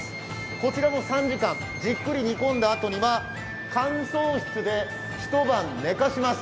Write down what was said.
こちらも３時間じっくり煮込んだあとには乾燥室で一晩寝かせます。